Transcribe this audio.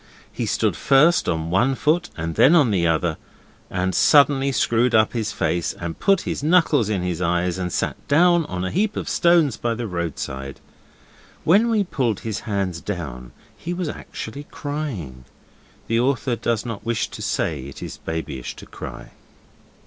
He stood first on one foot and then on the other, and suddenly screwed up his face and put his knuckles in his eyes and sat down on a heap of stones by the roadside. When we pulled his hands down he was actually crying. The author does not wish to say it is babyish to cry.